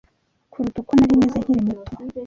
kuruta uko nari meze nkiri muto